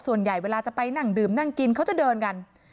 ส่วนใหญ่เวลาจะไปนั่งดื่มนั่งกินเขาจะเดินกัน